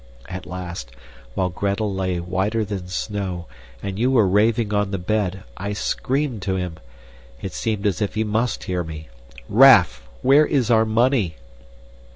At last, while Gretel lay whiter than snow, and you were raving on the bed, I screamed to him it seemed as if he MUST hear me 'Raff, where is our money?